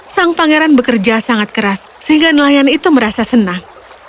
sang pangeran bekerja sangat keras sehingga nelayan itu merasa senang